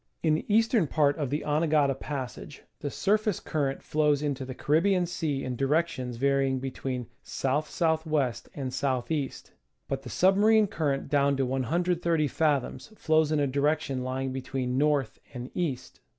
In the eastern part of the Anegada Passage the surface current flows into the Caribbean Sea in directions varying between S. S. W. and S. E., but the submarine current down to 130 fathoms flows in a direction lying between north and east.